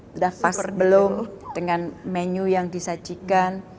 sudah pas belum dengan menu yang disajikan